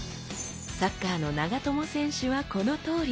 サッカーの長友選手はこのとおり。